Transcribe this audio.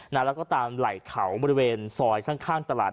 แล้วก็ตามไหล่เขาบริเวณซอยข้างตลาด